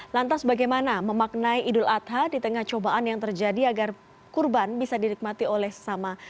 lantas bagaimana memaknai idul adha di tengah cobaan yang terjadi agar kurban bisa dinikmati oleh sesama